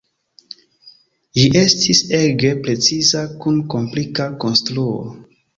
Ĝi estis ege preciza kun komplika konstruo.